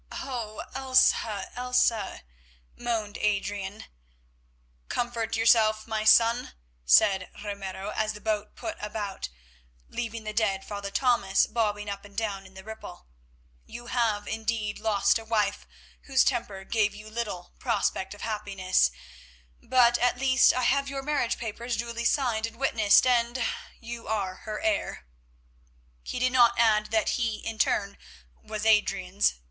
"Oh! Elsa, Elsa," moaned Adrian. "Comfort yourself, my son," said Ramiro as the boat put about, leaving the dead Father Thomas bobbing up and down in the ripple; "you have indeed lost a wife whose temper gave you little prospect of happiness, but at least I have your marriage papers duly signed and witnessed, and—you are her heir." He did not add that he in turn was Adrian's.